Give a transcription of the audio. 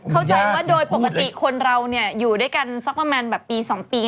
เข้าใจว่าโดยปกติคนเราเนี่ยอยู่ด้วยกันสักประมาณแบบปี๒ปี